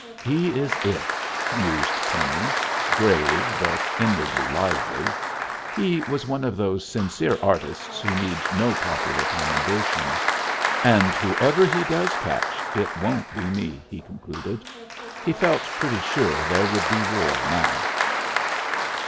"He is it," mused Kinney, grave, but inwardly lively. He was one of those sincere artists who need no popular commendation. "And whoever he does catch, it won't be me," he concluded. He felt pretty sure there would be war now.